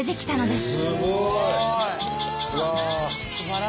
すごい！